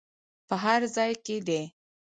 په هر ځای کې دې.